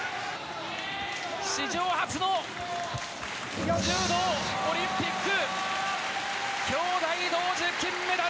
史上初の柔道オリンピック、兄妹同時金メダル！